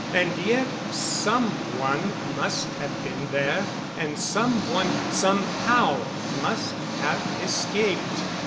And yet some one must have been there and some one, somehow, must have escaped.